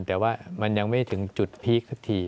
แต่ว่ามันยังไม่ถึงจุดพีคสักที